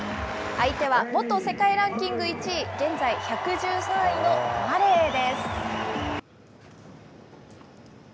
相手は元世界ランキング１位、現在１１３位のマレーです。